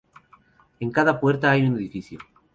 En cada puerta hay un edificio.